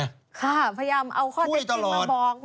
ค่ะพยายามเอาข้อเจ็บจริงมาบอกนะ